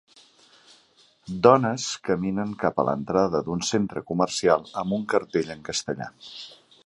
Dones caminen cap a l'entrada d'un centre comercial amb un cartell en castellà.